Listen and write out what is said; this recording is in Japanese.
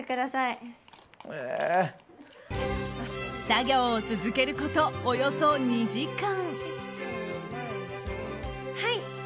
作業を続けることおよそ２時間。